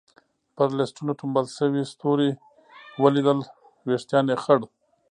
پر لستوڼو ټومبل شوي ستوري ولیدل، وېښتان یې خړ.